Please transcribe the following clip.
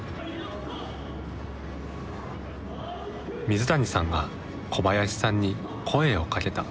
水谷さんが小林さんに声をかけた。